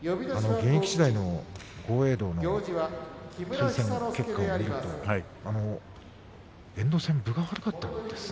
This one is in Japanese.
現役時代の豪栄道の対戦結果を見ますと遠藤戦、分が悪かったんですよね。